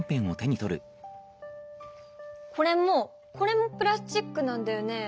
これもこれもプラスチックなんだよね？